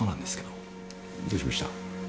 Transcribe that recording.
どうしました？